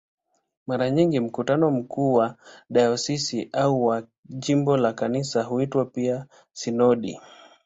Mara nyingi mkutano mkuu wa dayosisi au wa jimbo la Kanisa huitwa pia "sinodi".